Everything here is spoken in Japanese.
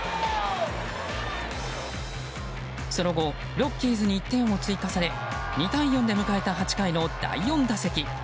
その後ロッキーズに１点を追加され２対４で迎えた８回の第４打席。